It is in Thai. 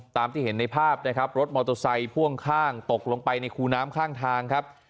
ตามที่เห็นในภาพนะครับรถมอเตอร์ไซค์พ่วงข้างตกลงไปในคูน้ำข้างทางครับ